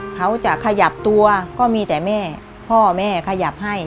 เขาจะขยับตัวก็มีแต่แม่พ่อแม่ขยับให้